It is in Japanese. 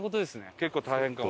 結構大変かも。